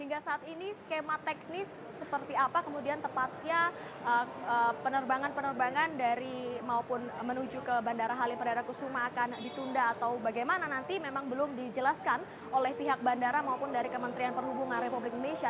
hingga saat ini skema teknis seperti apa kemudian tepatnya penerbangan penerbangan dari maupun menuju ke bandara halim perdana kusuma akan ditunda atau bagaimana nanti memang belum dijelaskan oleh pihak bandara maupun dari kementerian perhubungan republik indonesia